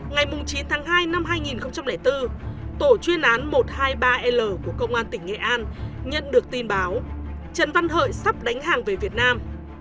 ngày chín tháng hai năm hai nghìn bốn tổ chuyên án một trăm hai mươi ba l của công an tỉnh nghệ an nhận được tin báo trần văn hợi sắp đánh hàng về việt nam